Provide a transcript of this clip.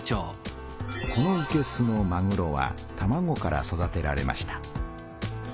このいけすのまぐろはたまごから育てられました。